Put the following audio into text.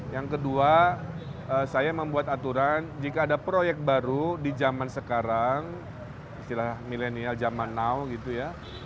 yang kedua saya membuat aturan jika ada proyek baru di zaman sekarang istilah milenial zaman now gitu ya